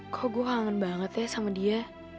kok gue kangen banget ya sama dia